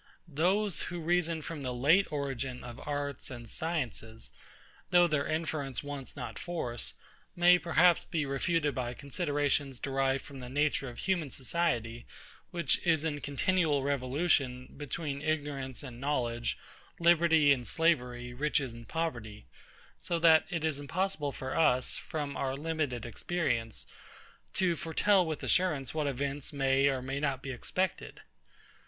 Those, who reason from the late origin of arts and sciences, though their inference wants not force, may perhaps be refuted by considerations derived from the nature of human society, which is in continual revolution, between ignorance and knowledge, liberty and slavery, riches and poverty; so that it is impossible for us, from our limited experience, to foretell with assurance what events may or may not be expected.